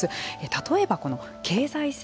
例えばこの経済性。